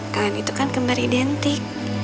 kalian itu kan benar benar identik